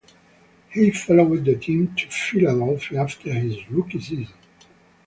He followed the team to Philadelphia after his rookie season.